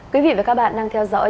quý vị và các bạn đang theo dõi